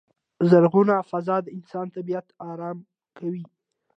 زرغونه فضا د انسان طبیعت ارامه کوی.